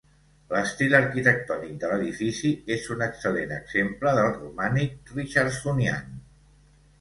L'estil arquitectònic de l'edifici és un excel·lent exemple del romànic Richardsonian.